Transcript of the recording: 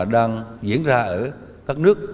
đang diễn ra ở các nước